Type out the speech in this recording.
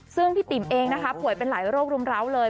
ซึ่งพี่ติ๋มเองนะคะป่วยเป็นหลายโรครุมร้าวเลย